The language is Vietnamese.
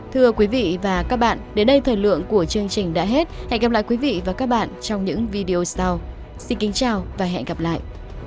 thưa quý vị và các bạn đến đây thời lượng của chương trình đã hết hẹn gặp lại quý vị và các bạn trong những video sau xin kính chào và hẹn gặp lại